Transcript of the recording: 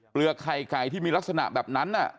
เปลือกไข่ไข่ที่มีลักษณะแบบนั้นน่ะ